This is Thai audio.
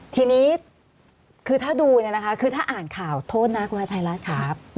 ทีนี้คือถ้าดูคือถ้าอ่านข่าวโทษนะครับครับ